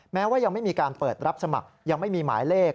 แม้ว่ายังไม่มีการเปิดรับสมัครยังไม่มีหมายเลข